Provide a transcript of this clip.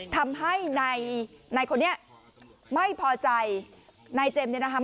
ทำให้ในคนนี้ไม่พอใจนายเจมส์เนี่ยนะคะ